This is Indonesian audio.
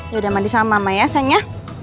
yaudah mandi sama mama ya sayangnya